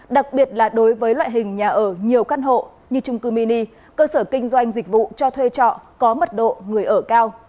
đặc biệt là đối với loại hình nhà ở nhiều căn hộ như trung cư mini cơ sở kinh doanh dịch vụ cho thuê trọ có mật độ người ở cao